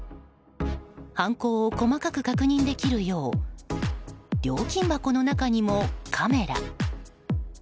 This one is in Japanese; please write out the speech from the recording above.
犯行を細かく確認できるよう料金箱の中にもカメラ。